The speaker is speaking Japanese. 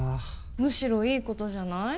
むしろいいことじゃない？